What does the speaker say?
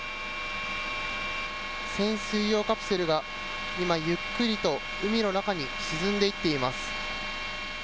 潜水用カプセルが今ゆっくりと海の中に沈んでいっています。